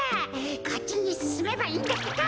こっちにすすめばいいんだってか。